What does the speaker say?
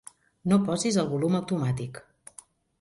No posis el volum automàtic.